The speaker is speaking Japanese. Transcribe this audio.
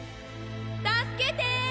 助けて！